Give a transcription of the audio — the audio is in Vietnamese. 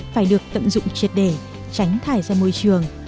phải được tận dụng triệt để tránh thải ra môi trường